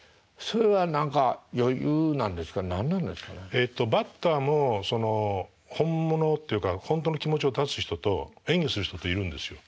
えっとバッターも本物っていうか本当の気持ちを出す人と演技する人といるんですよ。